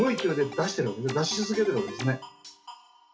出し続けるわけなんですね。